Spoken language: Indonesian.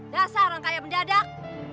dasar orang kaya mendadak